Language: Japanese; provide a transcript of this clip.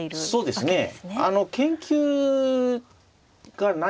そうですよね。